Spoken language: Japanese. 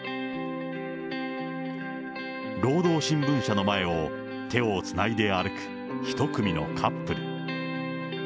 労働新聞社の前を手をつないで歩く一組のカップル。